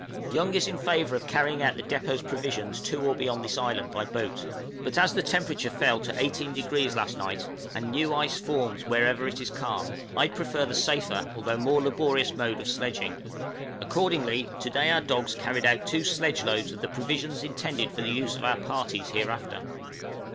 Young is in favor of carrying out the depôt provisions to or beyond this island by boat; but as the temperature fell to 18° last night, and new ice forms wherever it is calm, I prefer the safer, although more laborious mode of sledging; accordingly to day our dogs carried out two sledge loads of the provisions intended for the use of our parties hereafter.